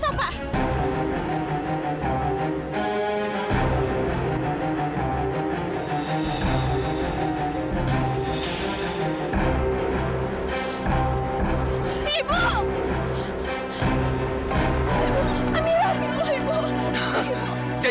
jahat lepaskan lepaskan lepaskan lepaskan